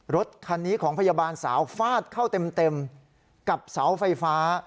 รถคันนี้ของพยาบาลสาวฟาดเข้าเต็มกับเสาไฟฟ้า